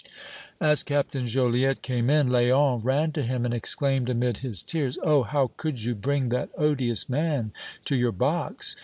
As Captain Joliette came in, Léon ran to him and exclaimed amid his tears: "Oh! how could you bring that odious man to your box!